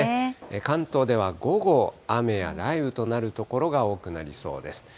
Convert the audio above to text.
関東では午後、雨や雷雨となる所が多くなりそうです。